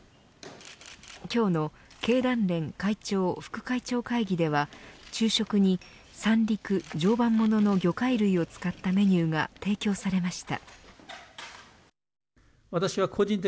今日の経団連会長・副会長会議では昼食に三陸・常磐ものの魚介類を使ったメニューが提供されました。